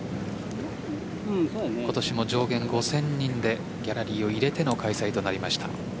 今年も上限５０００人でギャラリーを入れての開催となりました。